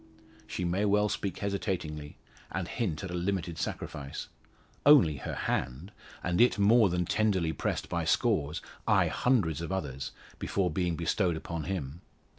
She may well speak hesitatingly, and hint at a limited sacrifice. Only her hand; and it more than tenderly pressed by scores ay hundreds of others, before being bestowed upon him.